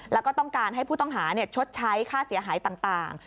แล้วก็ต้องการให้ผู้ต้องหาชดใช้ค่าเสียหายต่าง